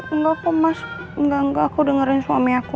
enggak kok mas enggak enggak aku dengerin suami aku